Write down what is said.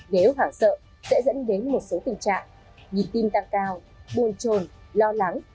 nếu hoảng sợ sẽ dẫn đến một số tình trạng nhịp tim tăng cao buồn trồn lo lắng